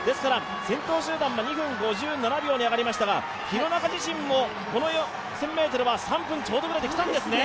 先頭集団は２分５７秒に上がりましたが廣中自身もこの１０００ｍは３分ちょうどくらいで来たんですね。